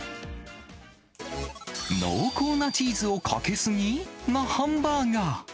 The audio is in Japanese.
濃厚なチーズをかけすぎなハンバーガー。